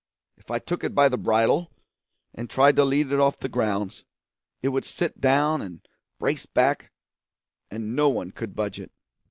If I took it by the bridle and tried to lead it off the grounds, it would sit down and brace back, and no one could budge it.